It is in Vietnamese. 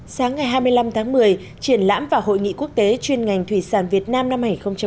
sáng ngày hai mươi năm tháng một mươi triển lãm và hội nghị quốc tế chuyên ngành thủy sản việt nam năm hai nghìn một mươi chín